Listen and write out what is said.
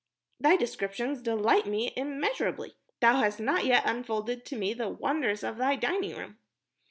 "Thy descriptions delight me immeasurably. Thou hast not yet unfolded to me the wonders of thy dining room."